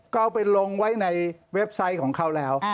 ก็เอาไปลงไว้ในเว็บไซต์ของเขาแล้ว